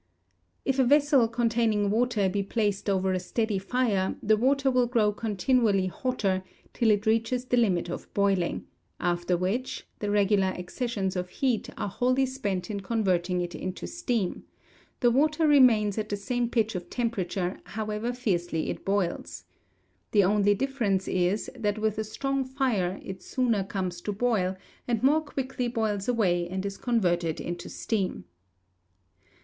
"If a vessel containing water be placed over a steady fire, the water will grow continually hotter, till it reaches the limit of boiling; after which, the regular accessions of heat are wholly spent in converting it into steam: the water remains at the same pitch of temperature, however fiercely it boils. The only difference is, that with a strong fire it sooner comes to boil, and more quickly boils away, and is converted into steam."